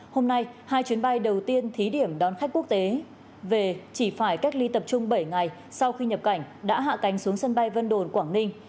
hôm nay hai chuyến bay đầu tiên thí điểm đón khách quốc tế về chỉ phải cách ly tập trung bảy ngày sau khi nhập cảnh đã hạ cánh xuống sân bay vân đồn quảng ninh